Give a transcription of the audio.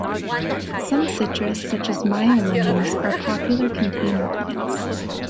Some citrus, such as Meyer Lemons, are popular container plants.